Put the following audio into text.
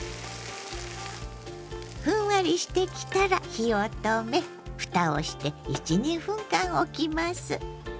ふんわりしてきたら火を止めふたをして１２分間おきます。